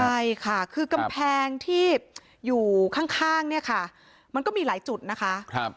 ใช่ค่ะคือกำแพงที่อยู่ข้างเนี่ยค่ะมันก็มีหลายจุดนะคะ